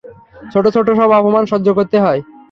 ছোট ছোট সব অপমান সহ্য করতে হয়।